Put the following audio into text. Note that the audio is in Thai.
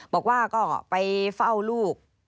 บอกว่าก็ไปเฝ้าลูก